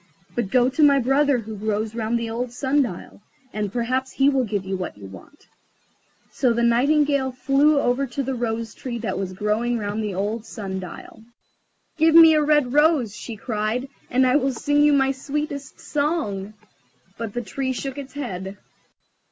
But go to my brother who grows round the old sun dial, and perhaps he will give you what you want." So the Nightingale flew over to the Rose tree that was growing round the old sun dial. "Give me a red rose," she cried, "and I will sing you my sweetest song." But the Tree shook its head.